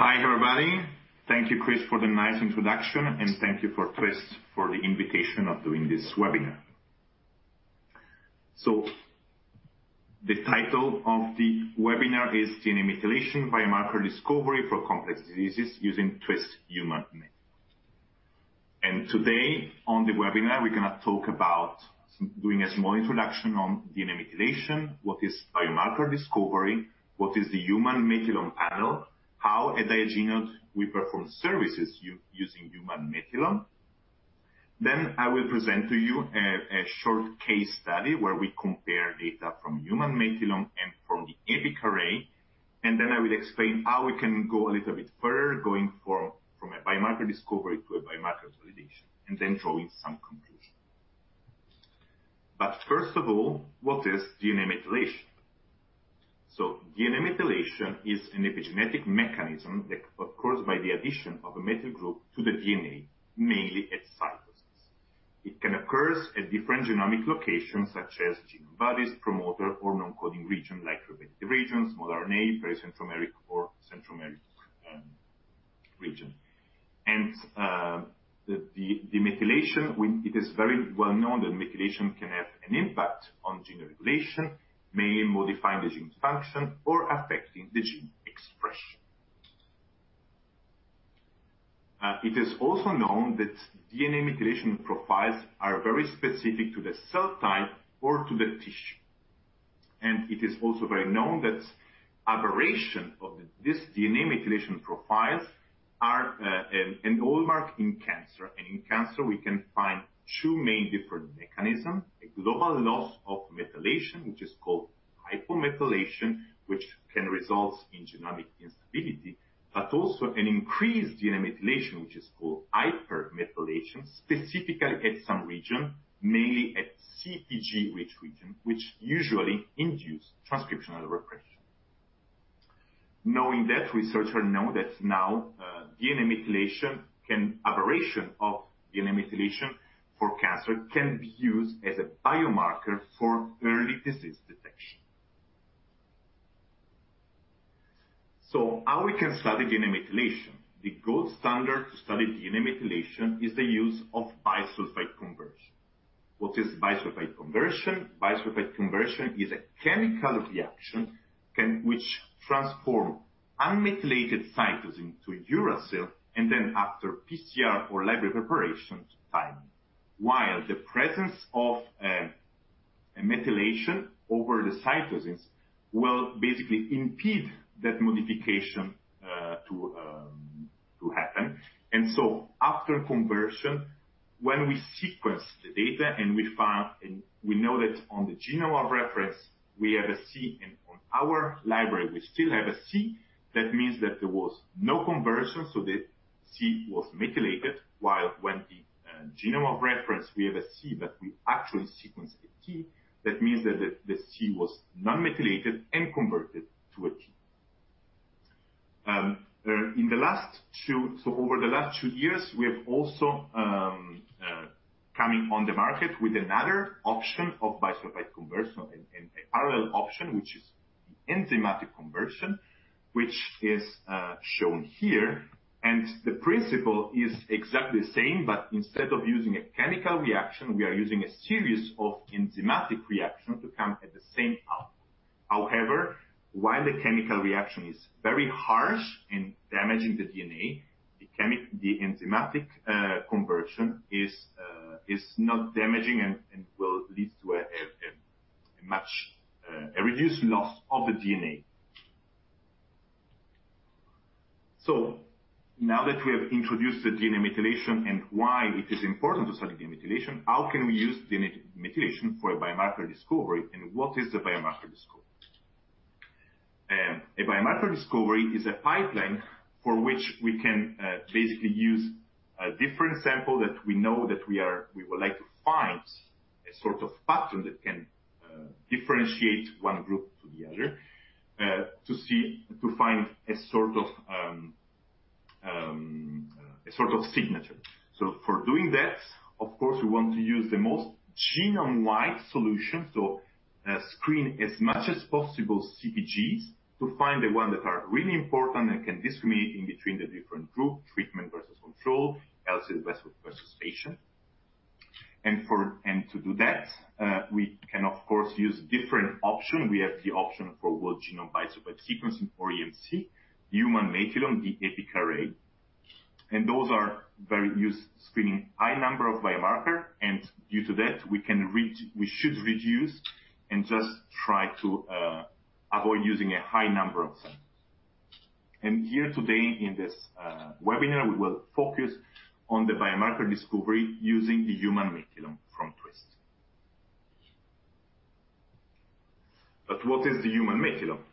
Hi, everybody. Thank you, Chris, for the nice introduction, and thank you for Twist for the invitation of doing this webinar. The title of the webinar is DNA Methylation Biomarker Discovery for Complex Diseases Using Twist Human Methylome. Today on the webinar, we're gonna talk about doing a small introduction on DNA methylation, what is biomarker discovery, what is the Human Methylome Panel, how at Diagenode we perform services using Human Methylome. I will present to you a short case study where we compare data from Human Methylome and from the EPIC array. I will explain how we can go a little bit further, going from a biomarker discovery to a biomarker validation, and then drawing some conclusion. First of all, what is DNA methylation? DNA methylation is an epigenetic mechanism that occurs by the addition of a methyl group to the DNA, mainly at cytosines. It can occur at different genomic locations such as gene bodies, promoter, or non-coding region like repetitive regions, small RNA, pericentromeric or centromeric region. The methylation. It is very well known that methylation can have an impact on gene regulation, mainly modifying the gene function or affecting the gene expression. It is also known that DNA methylation profiles are very specific to the cell type or to the tissue. It is also very known that aberration of this DNA methylation profiles are a hallmark in cancer. In cancer, we can find two main different mechanism. A global loss of methylation, which is called hypomethylation, which can result in genomic instability. Also an increased DNA methylation, which is called hypermethylation, specifically at some region, mainly at CpG rich region, which usually induce transcriptional repression. Knowing that, researcher know that now, Aberration of DNA methylation for cancer can be used as a biomarker for early disease detection. How we can study DNA methylation? The gold standard to study DNA methylation is the use of bisulfite conversion. What is bisulfite conversion? Bisulfite conversion is a chemical reaction which transform unmethylated cytosine to uracil and then after PCR or library preparation to thymine. While the presence of, a methylation over the cytosines will basically impede that modification, to happen. After conversion, when we sequence the data and we find, and we know that on the genome of reference we have a C and on our library we still have a C, that means that there was no conversion, so the C was methylated. While when the genome of reference we have a C, but we actually sequenced a T, that means that the C was not methylated and converted to a T. Over the last two years, we have also coming on the market with another option of bisulfite conversion, a parallel option, which is enzymatic conversion, which is shown here. The principle is exactly the same, but instead of using a chemical reaction, we are using a series of enzymatic reaction to come at the same output. However, while the chemical reaction is very harsh in damaging the DNA, the enzymatic conversion is not damaging and will lead to a much reduced loss of the DNA. Now that we have introduced the DNA methylation and why it is important to study DNA methylation, how can we use DNA methylation for a biomarker discovery? What is a biomarker discovery? A biomarker discovery is a pipeline for which we can basically use a different sample that we would like to find a sort of pattern that can differentiate one group to the other to find a sort of signature. For doing that, of course, we want to use the most genome-wide solution, so, screen as much as possible CpGs to find the one that are really important and can discriminate in between the different group, treatment versus control, healthy versus patient. To do that, we can of course use different option. We have the option for whole genome bisulfite sequencing or EPIC, Human Methylome, the EPIC array. Those are very used screening high number of biomarker. Due to that, we should reduce and just try to avoid using a high number of sample. Here today in this webinar, we will focus on the biomarker discovery using the Human Methylome from Twist. What is the Human Methylome? Of course.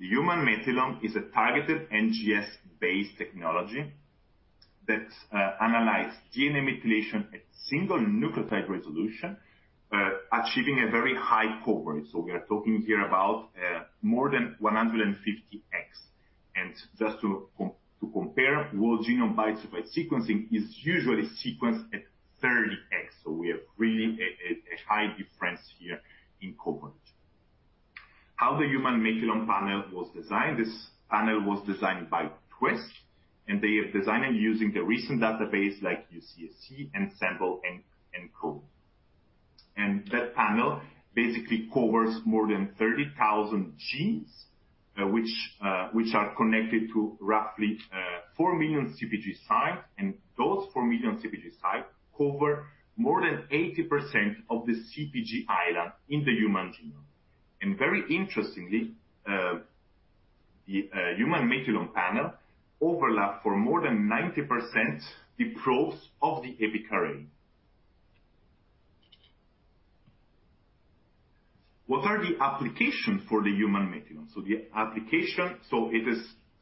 The Human Methylome is a targeted NGS-based technology that analyze DNA methylation at single nucleotide resolution, achieving a very high coverage. We are talking here about more than 150x. Just to compare, whole genome bisulfite sequencing is usually sequenced at 30x, so we have really a high difference here in coverage. How the Human Methylome Panel was designed. This panel was designed by Twist, and they have designed it using the recent database like UCSC and ENCODE. That panel basically covers more than 30,000 genes, which are connected to roughly 4 million CpG sites. Those 4 million CpG sites cover more than 80% of the CpG island in the human genome. Very interestingly, the Human Methylome Panel overlaps more than 90% of the probes of the EPIC array. What are the applications for the Human Methylome Panel?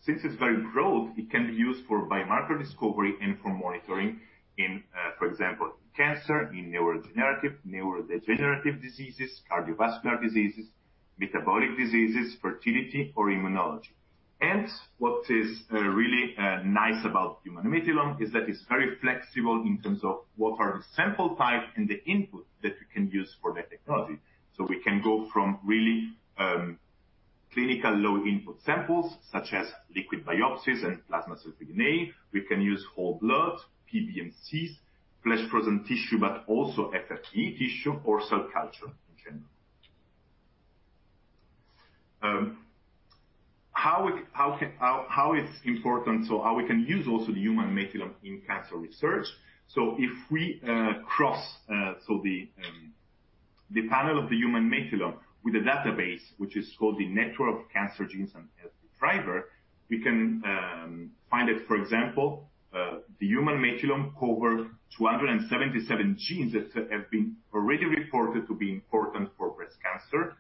Since it's very broad, it can be used for biomarker discovery and for monitoring in, for example, cancer, in neurodegenerative diseases, cardiovascular diseases, metabolic diseases, fertility or immunology. What is really nice about the Human Methylome Panel is that it's very flexible in terms of what are the sample type and the input that we can use for that technology. We can go from really clinical low input samples such as liquid biopsies and plasma cell-free DNA. We can use whole blood, PBMCs, fresh-frozen tissue, but also FFPE tissue or cell culture in general. how we can use also the HumanMethylome in cancer research. If we cross the panel of the HumanMethylome with a database which is called the Network of Cancer Genes and Healthy Drivers, we can find that, for example, the HumanMethylome cover 277 genes that have been already reported to be important for breast cancer.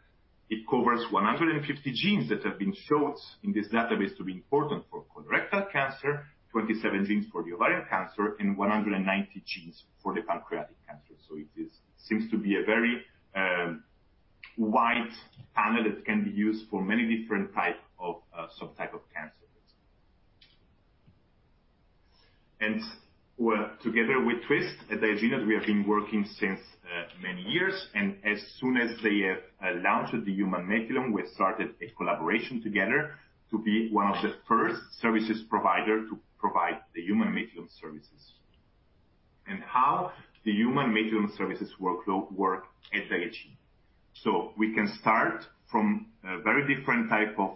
It covers 150 genes that have been showed in this database to be important for colorectal cancer, 27 genes for ovarian cancer, and 190 genes for the pancreatic cancer. It seems to be a very wide panel that can be used for many different type of subtype of cancer. We're together with Twist. At the Diagenode, we have been working since many years, and as soon as they launched the HumanMethylome, we started a collaboration together to be one of the first services provider to provide the HumanMethylome services. How the HumanMethylome services workflow work at the Diagenode. We can start from a very different type of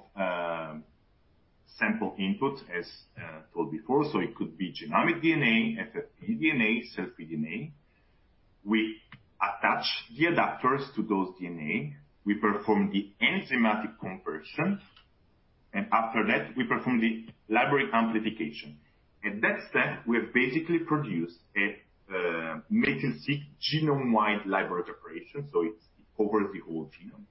sample input, as told before. It could be genomic DNA, FFPE DNA, cell-free DNA. We attach the adapters to those DNA. We perform the enzymatic conversion, and after that, we perform the library amplification. At that step, we have basically produced a methyl-seq genome-wide library preparation, so it covers the whole genome.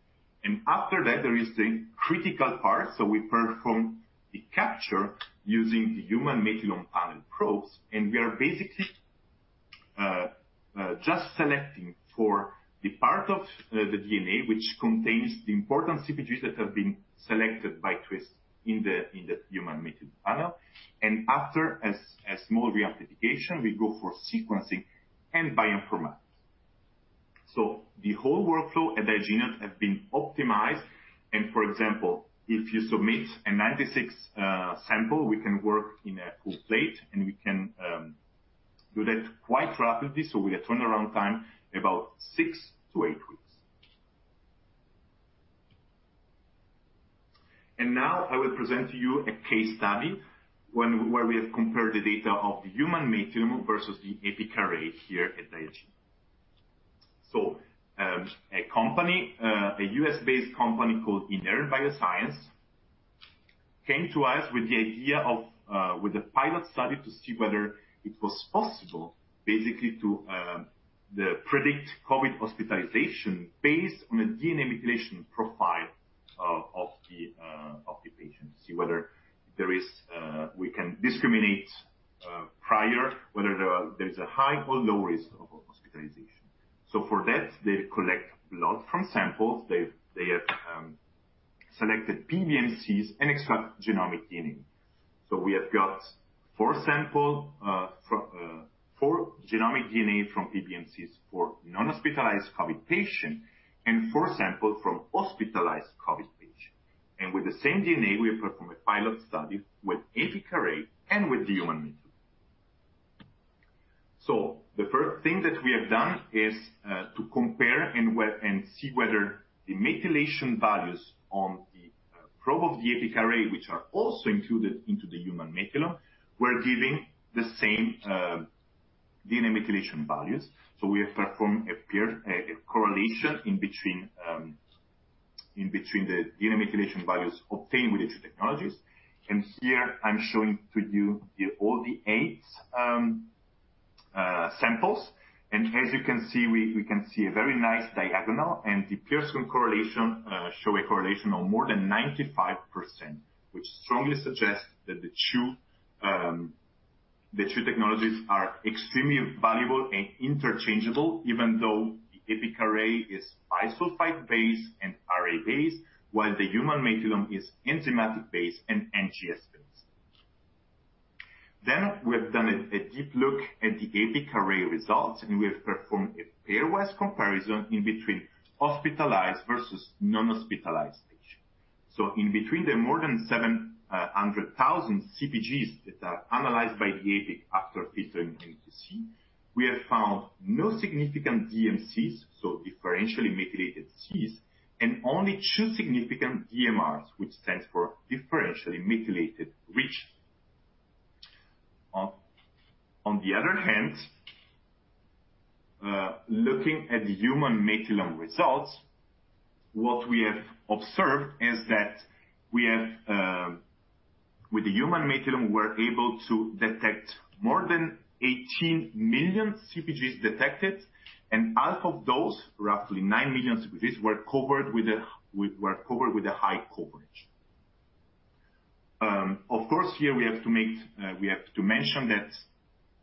After that, there is the critical part. We perform the capture using the Human Methylome Panel probes, and we are basically just selecting for the part of the DNA which contains the important CpGs that have been selected by Twist in the Human Methylome Panel. After a small reamplification, we go for sequencing and bioinformatics. The whole workflow at the Diagenode have been optimized and for example, if you submit a 96 samples, we can work in a pool plate, and we can do that quite rapidly. With a turnaround time about six to eight weeks. Now I will present to you a case study where we have compared the data of the Human Methylome Panel versus the EPIC array here at the Diagenode. A company, a U.S. based company called Inherent Biosciences came to us with the idea of, with a pilot study to see whether it was possible basically to, predict COVID hospitalization based on a DNA methylation profile of the patient, to see whether there is, we can discriminate, prior whether there is a high or low risk of a hospitalization. For that, they collect blood from samples. They have selected PBMCs and extract genomic DNA. We have got four samples from four genomic DNA from PBMCs for non-hospitalized COVID patient and four samples from hospitalized COVID patient. With the same DNA, we perform a pilot study with EPIC array and with the Human Methylome. The first thing that we have done is to compare and see whether the methylation values on the probe of the EPIC array, which are also included into the Human Methylome, were giving the same DNA methylation values. We have performed a Pearson correlation between the DNA methylation values obtained with these two technologies. Here I'm showing you all the eight samples. As you can see, we can see a very nice diagonal. The Pearson correlation show a correlation of more than 95%, which strongly suggests that the two technologies are extremely valuable and interchangeable, even though the EPIC array is bisulfite-based and array-based, while the Human Methylome is enzymatic-based and NGS-based. We have done a deep look at the EPIC array results and we have performed a pairwise comparison in between hospitalized versus non-hospitalized patients. In between the more than 700,000 CpGs that are analyzed by the EPIC after filtering in EPIC, we have found no significant DMCs, so differentially methylated Cs, and only two significant DMRs, which stands for differentially methylated region. On the other hand, looking at the Human Methylome results, what we have observed is that with the Human Methylome, we're able to detect more than 18 million CpGs detected, and out of those, roughly 9 million CpGs were covered with a high coverage. Of course, we have to mention that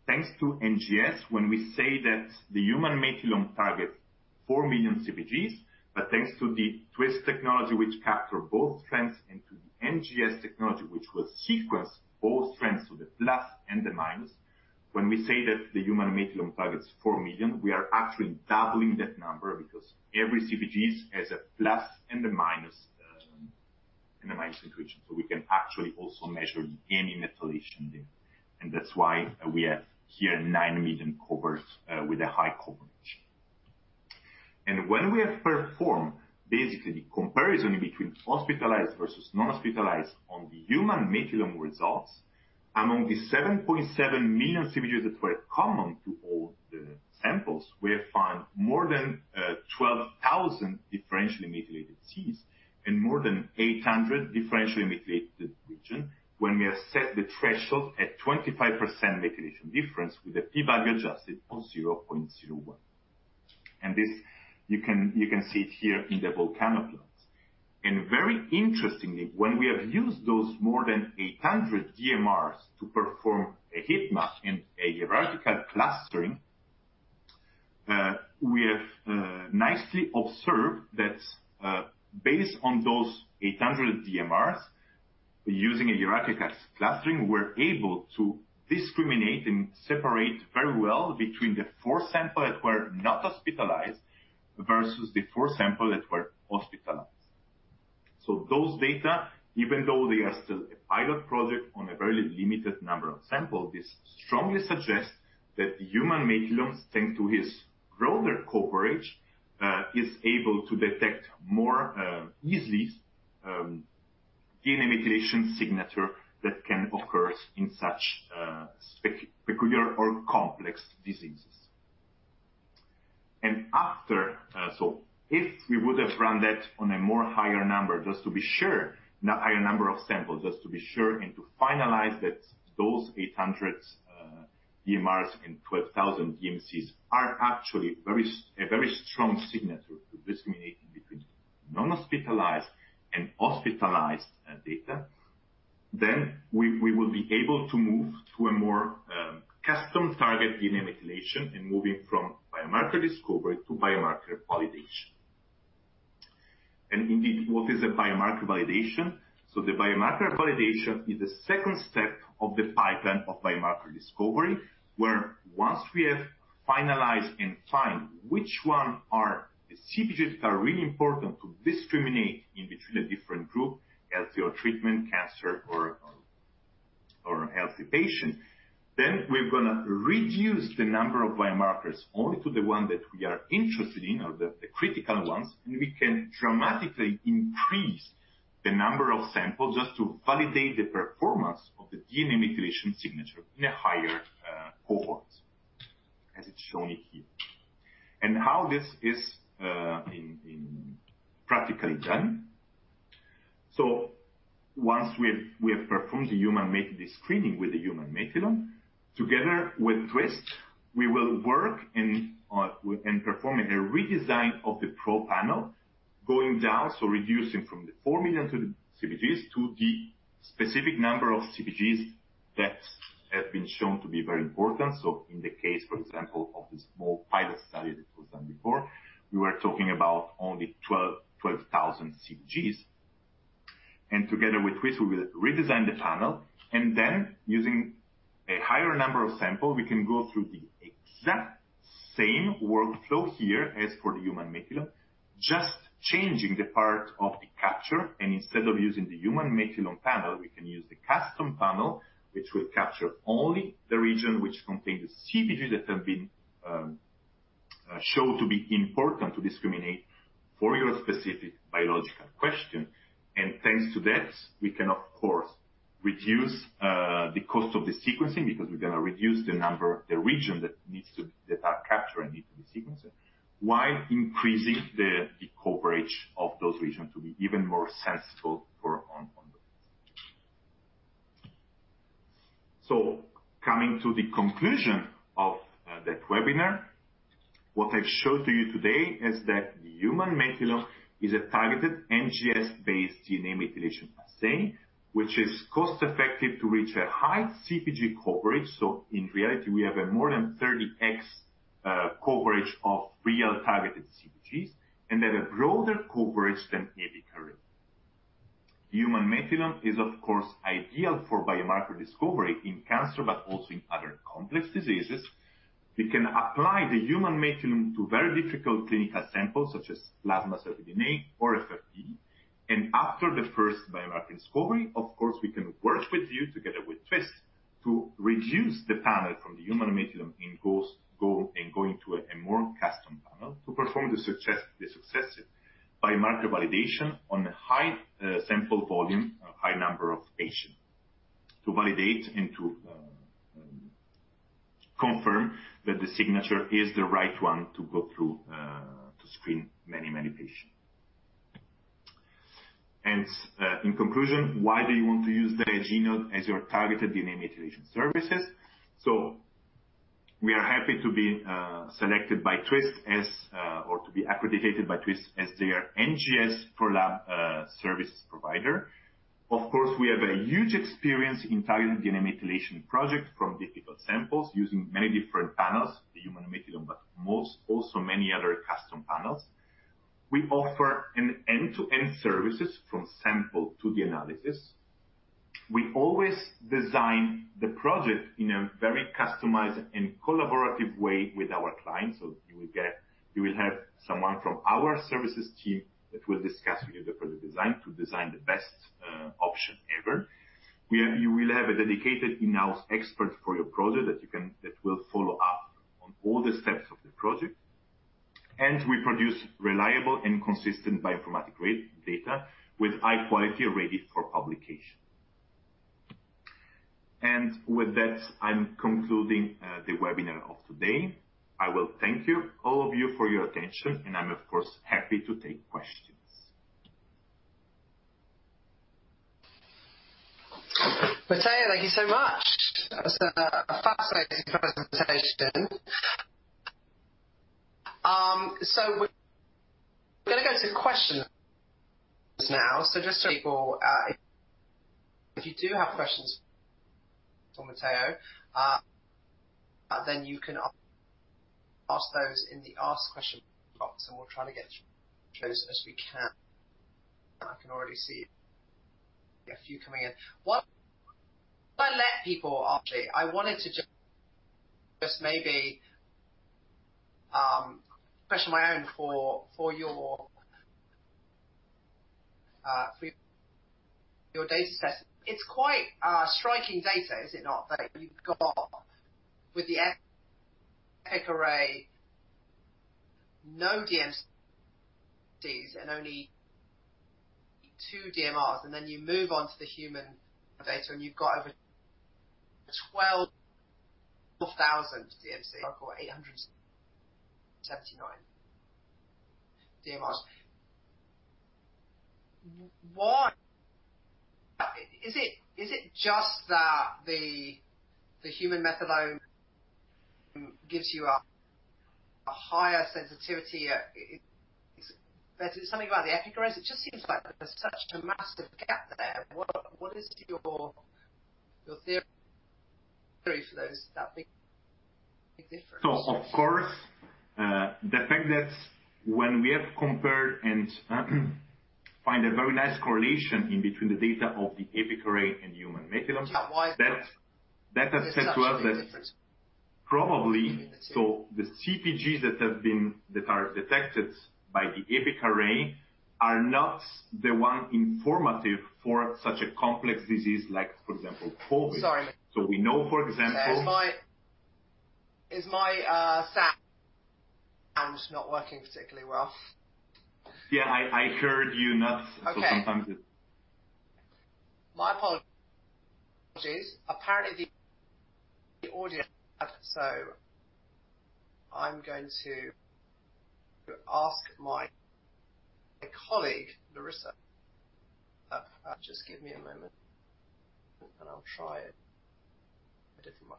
thanks to NGS, when we say that the Human Methylome targets 4 million CpGs, but thanks to the Twist technology, which capture both strands into the NGS technology, which will sequence both strands, so the plus and the minus. When we say that the Human Methylome targets 4 million, we are actually doubling that number because every CpGs has a plus and a minus. So we can actually also measure the DNA methylation there, and that's why we have here 9 million coverage with a high coverage. When we have performed basically the comparison between hospitalized versus non-hospitalized on the Human Methylome results, among the 7.7 million CpGs that were common to all the samples, we have found more than 12,000 differentially methylated Cs and more than 800 differentially methylated regions when we have set the threshold at 25% methylation difference with the p-value adjusted of 0.01. This, you can see it here in the volcano plots. Very interestingly, when we have used those more than 800 DMRs to perform a heat map and a hierarchical clustering, we have nicely observed that, based on those 800 DMRs using a hierarchical clustering, we're able to discriminate and separate very well between the four samples that were not hospitalized versus the four samples that were hospitalized. Those data, even though they are still a pilot project on a very limited number of samples, this strongly suggests that the Human Methylome Panel, thanks to its broader coverage, is able to detect more easily DNA methylation signature that can occurs in such peculiar or complex diseases. If we would have run that on a higher number of samples, just to be sure, and to finalize that those 800 DMRs and 12,000 DMCs are actually a very strong signature to discriminate between non-hospitalized and hospitalized data, then we will be able to move to a more custom target DNA methylation and moving from biomarker discovery to biomarker validation. Indeed, what is a biomarker validation? The biomarker validation is the second step of the pipeline of biomarker discovery, where once we have finalized and find which one are the CpGs that are really important to discriminate in between a different group, healthy or treatment, cancer or healthy patient, then we're gonna reduce the number of biomarkers only to the one that we are interested in or the critical ones, and we can dramatically increase the number of samples just to validate the performance of the DNA methylation signature in a higher cohorts, as it's shown here. How this is in practically done. Once we have performed the screening with the Human Methylome, together with Twist, we will work and perform a redesign of the probe panel going down, so reducing from the 4 million CpGs to the specific number of CpGs that have been shown to be very important. In the case, for example, of the small pilot study that was done before, we were talking about only 12,000 CpGs. Together with Twist, we will redesign the panel and then using a higher number of sample, we can go through the exact same workflow here as for the Human Methylome, just changing the part of the capture. Instead of using the Human Methylome Panel, we can use the custom panel, which will capture only the region which contain the CpGs that have been shown to be important to discriminate for your specific biological question. Thanks to that, we can of course reduce the cost of the sequencing because we're gonna reduce the number the region that needs to be that are captured and need to be sequenced, while increasing the coverage of those regions to be even more sensible for on those. Coming to the conclusion of that webinar. What I showed to you today is that HumanMethylome is a targeted NGS-based DNA methylation assay, which is cost-effective to reach a high CpG coverage. In reality, we have a more than 30x coverage of real targeted CpGs and have a broader coverage than EPIC array. Human Methylome is, of course, ideal for biomarker discovery in cancer, but also in other complex diseases. We can apply the Human Methylome to very difficult clinical samples such as plasma, cell-free DNA or FFPE. After the first biomarker discovery, of course, we can work with you together with Twist to reduce the panel from the Human Methylome going to a more custom panel to perform the success, the successive biomarker validation on a high sample volume, a high number of patients, to validate and to confirm that the signature is the right one to go through to screen many, many patients. In conclusion, why do you want to use Diagenode as your targeted DNA methylation services? We are happy to be accredited by Twist as their NGS lab service provider. Of course, we have a huge experience in targeted DNA methylation projects from difficult samples using many different panels, the Human Methylome, but also many other custom panels. We offer an end-to-end services from sample to the analysis. We always design the project in a very customized and collaborative way with our clients. You will have someone from our services team that will discuss with you the project design to design the best option ever. You will have a dedicated in-house expert for your project that will follow up on all the steps of the project. We produce reliable and consistent bioinformatic read data with high quality ready for publication. With that, I'm concluding the webinar of today. I will thank you, all of you, for your attention, and I'm of course happy to take questions. Matteo, thank you so much. That was a fascinating presentation. We're gonna go to questions now. Just so people, if you do have questions for Matteo, then you can ask those in the ask question box, and we'll try to get through as many as we can. I can already see a few coming in. While I let people ask, I wanted to question my own for your data set. It's quite striking data, is it not? That you've got with the EPIC array, no DMCs and only two DMRs, and then you move on to the human data, and you've got over 12,000 DMCs or 879 DMRs. Why? Is it just that the Human Methylome gives you a higher sensitivity? Is that something about the EPIC arrays? It just seems like there's such a massive gap there. What is your theory for those, that big difference? Of course, the fact that when we have compared and find a very nice correlation between the data of the EPIC array and Human Methylome Panel Is that why? That has said to us that. There's such a big difference. Probably. The CpGs that are detected by the EPIC array are not the one informative for such a complex disease like, for example, COVID. Sorry. So we know, for example- Is my sound not working particularly well? Yeah, I heard you not- Okay. Sometimes it. My apologies. I'm going to ask my colleague, Larissa. Just give me a moment, and I'll try a different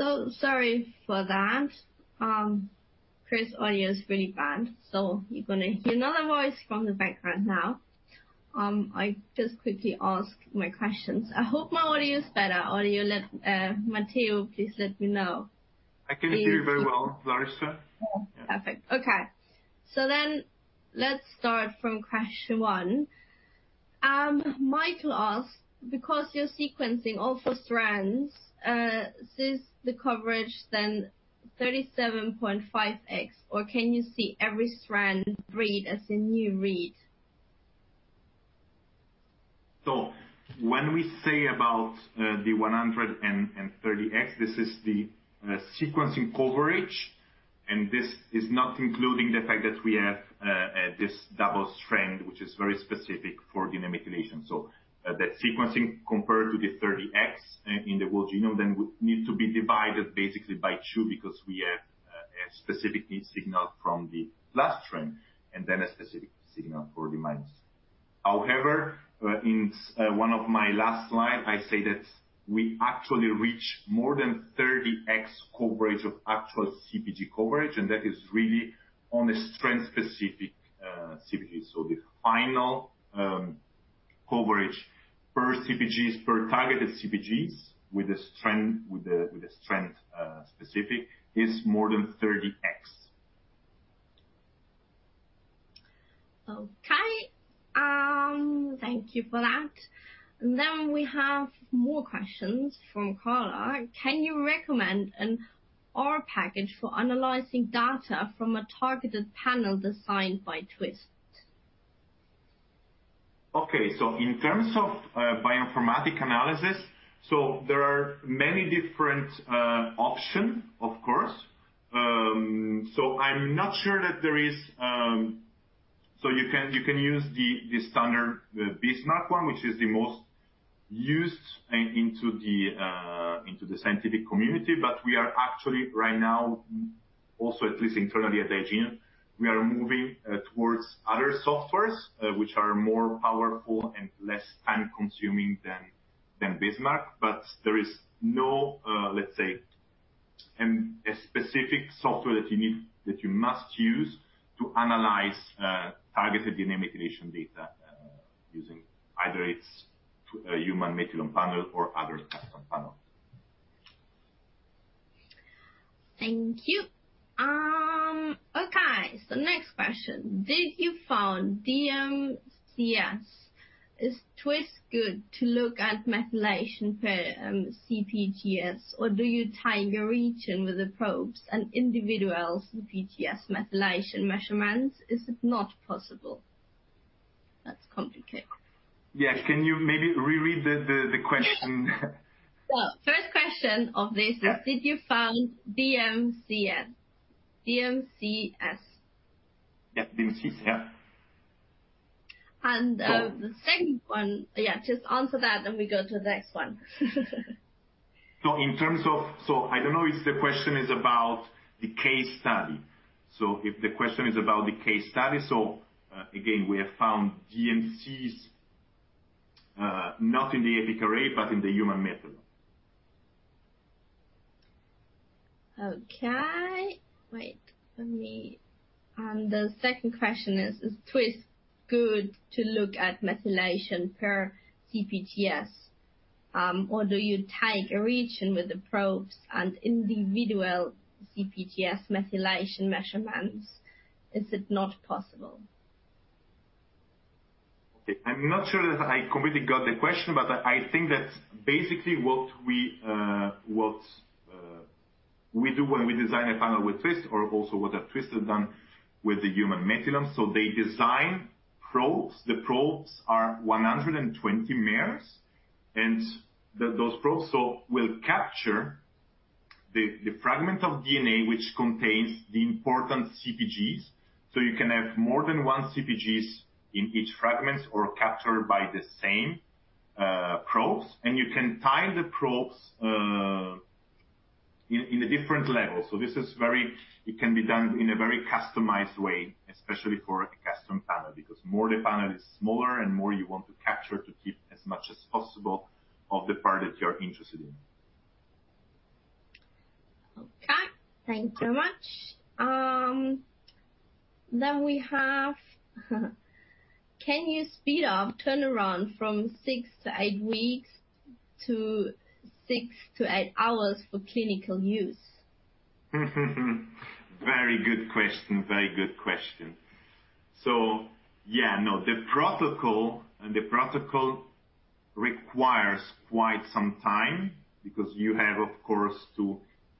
microphone. Sorry for that. Chris' audio is really bad. You're gonna hear another voice from the background now. I just quickly ask my questions. I hope my audio is better. Matteo, please let me know. I can hear you very well, Larissa. Oh, perfect. Okay. Let's start from question one. Michael asked, because you're sequencing all four strands, is the coverage then 37.5x, or can you see every strand read as a new read? When we say about the 130x, this is the sequencing coverage, and this is not including the fact that we have this double strand, which is very specific for DNA methylation. That sequencing compared to the 30x in the whole genome then would need to be divided basically by two because we have a specific signal from the plus strand and then a specific signal for the minus. However, in one of my last slide, I say that we actually reach more than 30x coverage of actual CpG coverage, and that is really on a strand-specific CpG. The final coverage per CpGs, per targeted CpGs with the strand-specific, is more than 30x. Okay. Thank you for that. We have more questions from Carla. Can you recommend an R package for analyzing data from a targeted panel designed by Twist? Okay. In terms of bioinformatics analysis, there are many different options, of course. I'm not sure that there is. You can use the standard Bismark one, which is the most used in the scientific community. We are actually right now also at least internally at Diagenode moving towards other software which are more powerful and less time-consuming than Bismark. There is no let's say a specific software that you need that you must use to analyze targeted DNA methylation data using either a Human Methylome Panel or other custom panel. Thank you. Okay. Next question: Did you found DMCs? Is Twist good to look at methylation per CpGs? Or do you tie your region with the probes and individual CpGs methylation measurements? Is it not possible? That's complicated. Yes. Can you maybe re-read the question? Well, first question of this is, did you find DMCs? Yeah, DMCs. Yeah. And, uh- So- Yeah, just answer that, then we go to the next one. I don't know if the question is about the case study. If the question is about the case study, again, we have found DMCs, not in the EPIC array, but in the human methylome. The second question is: Is Twist good to look at methylation per CpGs, or do you tie a region with the probes and individual CpGs methylation measurements? Is it not possible? Okay. I'm not sure that I completely got the question, but I think that basically what we do when we design a panel with Twist or also what Twist has done with the Human Methylome Panel, they design probes. The probes are 120-mers, and those probes will capture the fragment of DNA which contains the important CpGs. You can have more than one CpGs in each fragments or captured by the same probes, and you can tile the probes in a different level. It can be done in a very customized way, especially for a custom panel, because more the panel is smaller and more you want to capture to keep as much as possible of the part that you're interested in. Okay. Thank you so much. We have, can you speed up turnaround from six to eight weeks to six to eight hours for clinical use? Very good question. Yeah, no, the protocol requires quite some time because you have, of course, to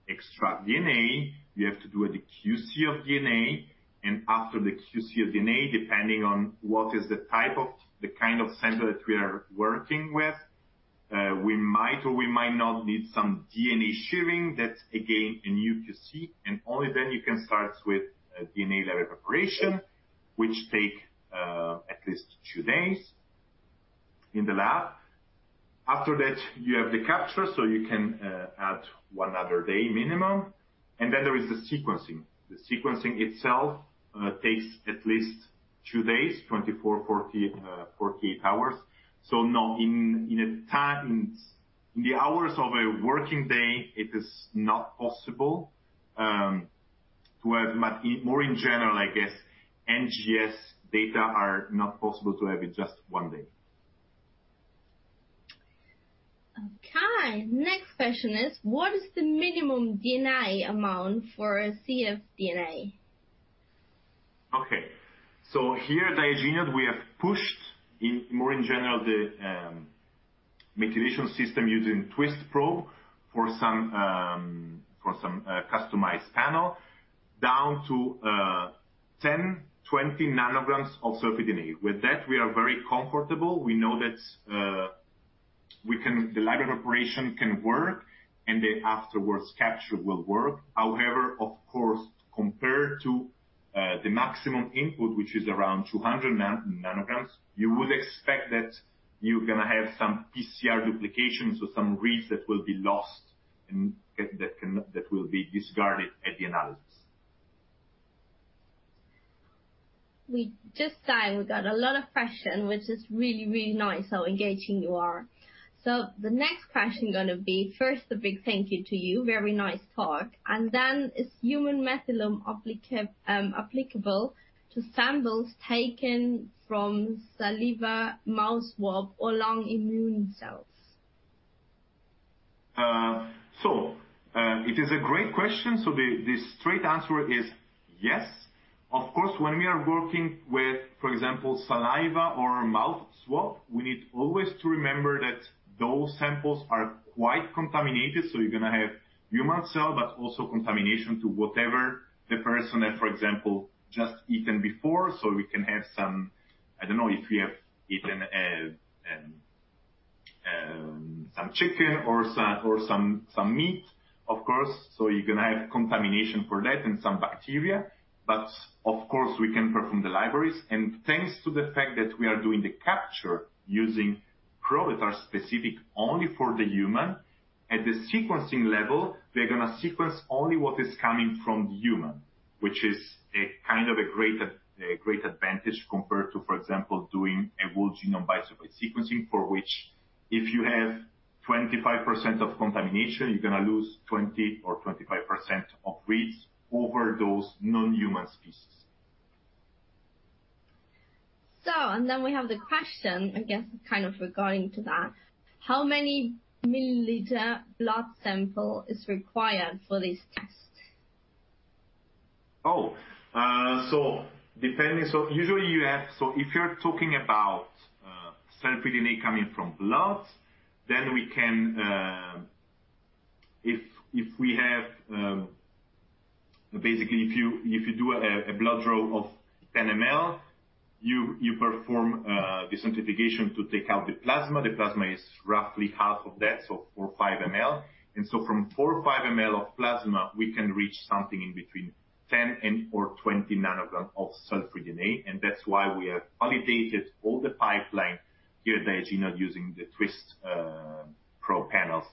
extract DNA, you have to do the QC of DNA, and after the QC of DNA, depending on the kind of sample that we are working with, we might or we might not need some DNA shearing. That's again a new QC, and only then you can start with DNA library preparation, which take at least two days in the lab. After that, you have the capture, so you can add one other day minimum. Then there is the sequencing. The sequencing itself takes at least two days, 24, 40, 48 hours. In the hours of a working day, it is not possible to have. More in general, I guess, NGS data are not possible to have it just one day. Okay. Next question is: What is the minimum DNA amount for a cfDNA? Okay. Here at Diagenode, we have pushed in more in general the methylation system using Twist probe for some customized panel down to 10-20 ng of cell-free DNA. With that, we are very comfortable. We know that the library preparation can work, and then afterwards, capture will work. However, of course, compared to the maximum input, which is around 200 ng, you would expect that you're gonna have some PCR duplications or some reads that will be lost and that will be discarded at the analysis. We just saw we got a lot of questions, which is really, really nice how engaging you are. The next question gonna be. First, a big thank you to you. Very nice talk. Then, is Human Methylome applicable to samples taken from saliva, mouth swab or lung immune cells? It is a great question. The straight answer is yes. Of course, when we are working with, for example, saliva or mouth swab, we need always to remember that those samples are quite contaminated, so you're gonna have human cell, but also contamination to whatever the person had, for example, just eaten before. We can have some chicken or some meat, of course. You're gonna have contamination for that and some bacteria. Of course, we can perform the libraries. Thanks to the fact that we are doing the capture using probes that are specific only for the human, at the sequencing level, we're gonna sequence only what is coming from the human, which is a kind of a great advantage compared to, for example, doing a whole genome bisulfite sequencing, for which if you have 25% of contamination, you're gonna lose 20 or 25% of reads over those non-human species. We have the question, I guess, kind of regarding to that. How many milliliter blood sample is required for this test? Usually, if you're talking about cell-free DNA coming from blood, then we can. Basically, if you do a blood draw of 10 ml, you perform the centrifugation to take out the plasma. The plasma is roughly half of that, so 4 ml-5 ml. From 4 ml-5 ml of plasma, we can reach something between 10 ng and 20 ng of cell-free DNA. That's why we have validated all the pipeline here at Diagenode using the Twist probe panels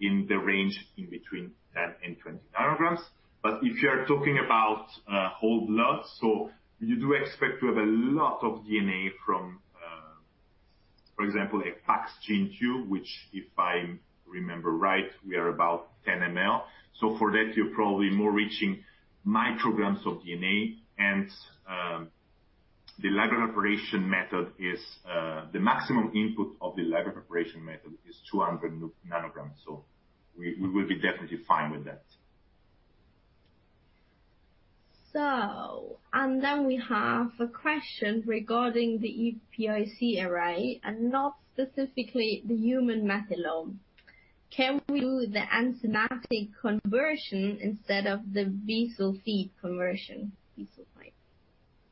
in the range between 10 ng and 20 ng. If you're talking about whole blood, you do expect to have a lot of DNA from, for example, a PAXgene Tube, which if I remember right, is about 10 ml. For that, you're probably more reaching micrograms of DNA. The maximum input of the library preparation method is 200 ng, so we will be definitely fine with that. We have a question regarding the EPIC array and not specifically the human methylome. Can we do the enzymatic conversion instead of the bisulfite conversion?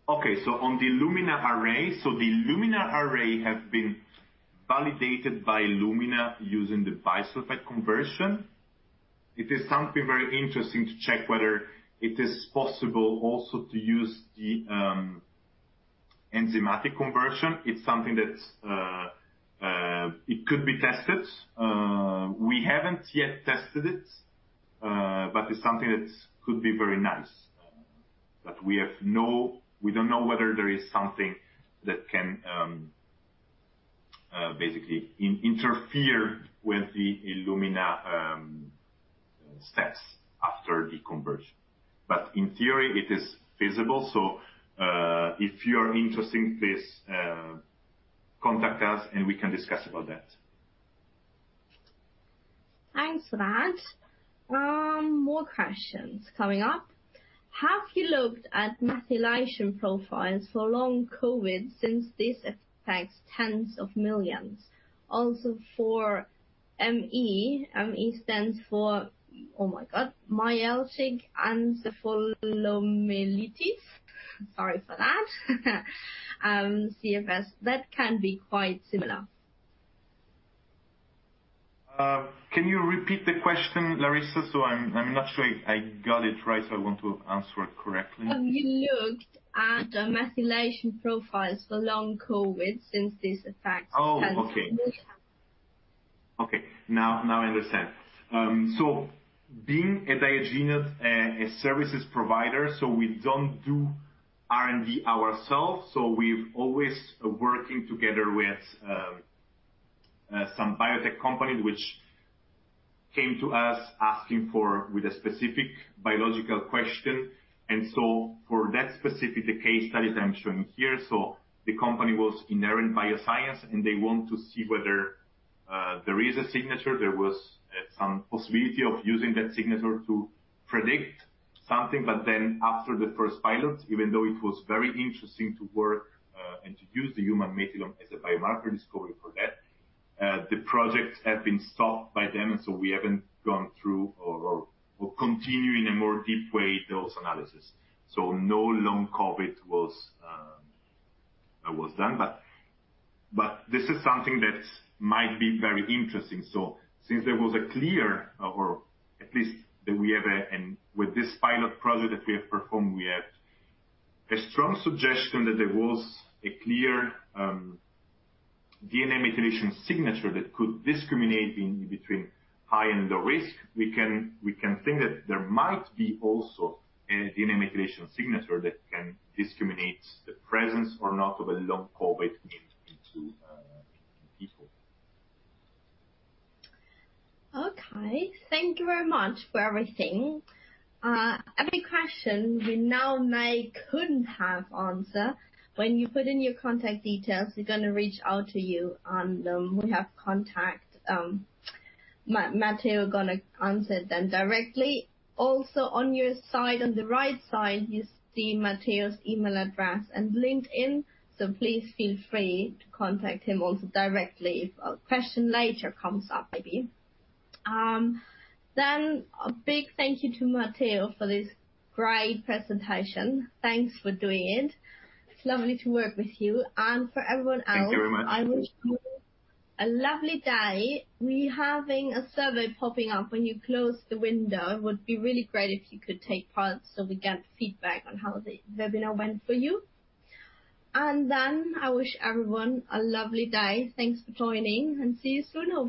Okay. On the Illumina array, the Illumina array has been validated by Illumina using the bisulfite conversion. It is something very interesting to check whether it is possible also to use the enzymatic conversion. It's something that it could be tested. We haven't yet tested it, but it's something that could be very nice. We don't know whether there is something that can basically interfere with the Illumina steps after the conversion. In theory, it is feasible. If you are interested, please, contact us and we can discuss about that. Thanks for that. More questions coming up. Have you looked at methylation profiles for long COVID since this affects tens of millions? Also for ME. ME stands for, oh my God, myalgic encephalomyelitis. Sorry for that. CFS. That can be quite similar. Can you repeat the question, Larissa? I'm not sure if I got it right, so I want to answer it correctly. Have you looked at methylation profiles for long COVID since this affects tens of millions? Oh, okay. Now I understand. Being at Diagenode, a services provider, we don't do R&D ourselves. We've always working together with some biotech companies which came to us asking for with a specific biological question. For that specific case studies I'm showing here, the company was Inherent Biosciences, and they want to see whether there is a signature. There was some possibility of using that signature to predict something. After the first pilot, even though it was very interesting to work and to use the human methylome as a biomarker discovery for that, the project had been stopped by them, and we haven't gone through or continue in a more deep way those analysis. No long COVID was done. This is something that might be very interesting. Since, with this pilot project that we have performed, we have a strong suggestion that there was a clear DNA methylation signature that could discriminate in between high and low risk. We can think that there might be also a DNA methylation signature that can discriminate the presence or not of a long COVID in people. Okay. Thank you very much for everything. Every question we now may not have answered, when you put in your contact details, we're gonna reach out to you on them. We have contact, Matteo gonna answer them directly. Also on your side, on the right side, you see Matteo's email address and LinkedIn, so please feel free to contact him also directly if a question later comes up, maybe. A big thank you to Matteo for this great presentation. Thanks for doing it. It's lovely to work with you. For everyone else. Thank you very much. I wish you a lovely day. We're having a survey popping up when you close the window. It would be really great if you could take part so we get feedback on how the webinar went for you. I wish everyone a lovely day. Thanks for joining, and see you soon, hopefully.